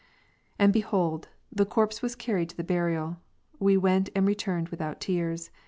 32. And behold, the corpse was carried to the burial ; we went and returned without tears.